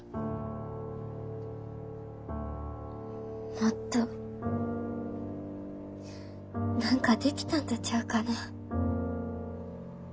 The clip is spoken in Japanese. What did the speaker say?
もっと何かできたんとちゃうかなぁ。